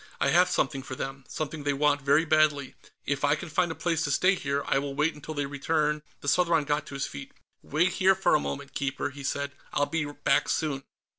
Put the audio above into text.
"I have something for them. Something they want very badly. If I can find a place to stay here, I will wait until they return " The Southron got to his feet. "Wait here for a moment, Keeper," he said. "I'll be back soon."